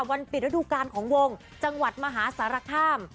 วันปิดระดูกรรมของวงจังหวัดมหาศาลธาม